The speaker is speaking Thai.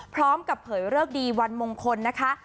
พร้อมกับเผยเลิกดีวันมงคลนะคะ